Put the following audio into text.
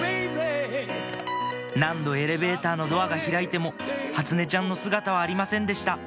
何度エレベーターのドアが開いても初音ちゃんの姿はありませんでした